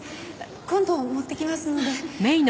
今度持ってきますので。